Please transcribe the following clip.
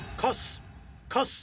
カス！